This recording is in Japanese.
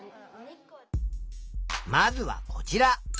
まずはこちら。